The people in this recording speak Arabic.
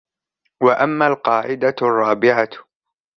وَأَمَّا الْقَاعِدَةُ الرَّابِعَةُ